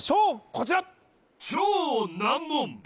こちら